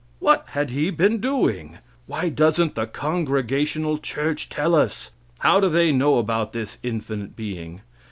What had He been doing? Why doesn't the Congregational Church tell us? How do they know about this infinite being?